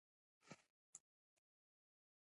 د بټي کوټ فارمونه لري